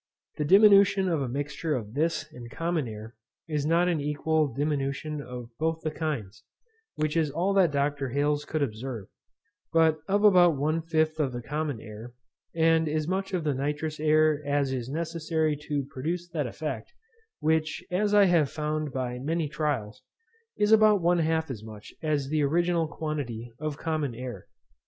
The diminution of a mixture of this and common air is not an equal diminution of both the kinds, which is all that Dr. Hales could observe, but of about one fifth of the common air, and as much of the nitrous air as is necessary to produce that effect; which, as I have found by many trials, is about one half as much as the original quantity of common air.